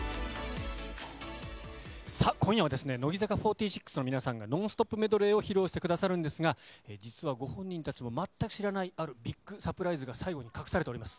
さあ、今夜は乃木坂４６の皆さんが、ノンストップメドレーを披露してくださるんですが、実はご本人たちも全く知らない、あるビッグサプライズが、最後に隠されております。